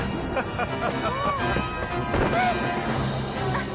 あっ。